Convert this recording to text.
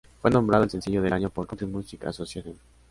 Fue nombrado el sencillo del año por "Country Music Association".